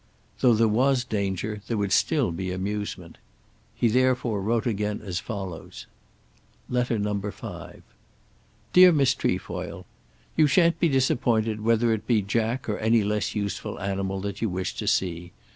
Though there was danger there would still be amusement. He therefore wrote again as follows: LETTER NO. 5. DEAR MISS TREFOIL, You shan't be disappointed whether it be Jack or any less useful animal that you wish to see.